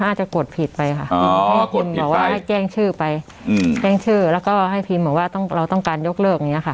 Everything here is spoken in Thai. อาจจะกดผิดไปค่ะบอกว่าให้แก้งชื่อไปแล้วก็ให้พิมพ์ว่าเราต้องการยกเลิก